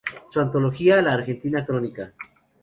Su antología "La Argentina crónica.